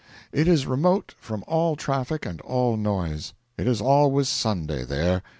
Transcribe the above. It is remote from all traffic and all noise; it is always Sunday there.